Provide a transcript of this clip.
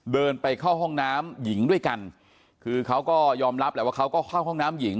เดินไปเข้าห้องน้ำหญิงด้วยกันคือเขาก็ยอมรับแหละว่าเขาก็เข้าห้องน้ำหญิง